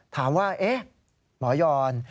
ถามว่าหมอยอน